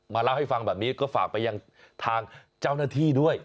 เล่าให้ฟังแบบนี้ก็ฝากไปยังทางเจ้าหน้าที่ด้วย